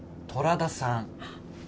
虎田さん。